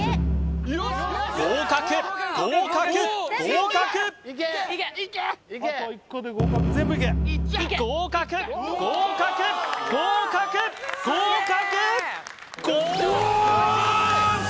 合格合格合格合格合格合格合格！